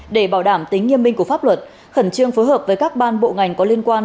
để bảo đảm tính nghiêm minh của pháp luật khẩn trương phối hợp với các ban bộ ngành có liên quan